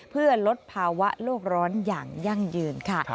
เพื่อลดภาวะโลกร้อนอย่างยั่งยืนค่ะ